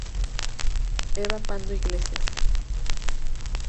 Eva Pando Iglesias.